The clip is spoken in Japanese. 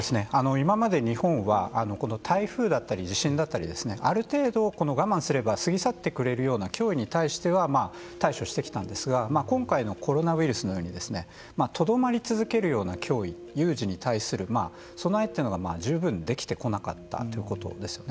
今まで日本は台風だったり地震だったりある程度、我慢すれば過ぎ去ってくれるような脅威に対しては対処してきたんですが今回のコロナウイルスのようにとどまり続けるような脅威有事に対する備えというのが十分できてこなかったということですよね。